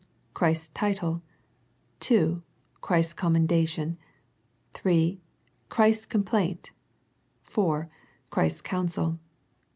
Christ's title. — ii. Christ's commendation. — iii. Christ's complaint, ^"'iv. Christ's counsel.